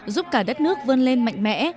giúp cả đất nước vươn lên mạnh mẽ